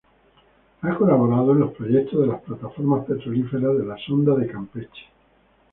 Ha colaborado en los proyectos de las plataformas petrolíferas de la sonda de Campeche.